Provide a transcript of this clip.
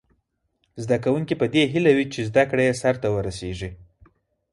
زده کوونکي په دې هیله وي چې زده کړه یې سرته ورسیږي.